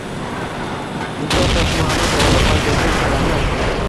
Muso Toshmuhammad o`g`li Oybekning qalami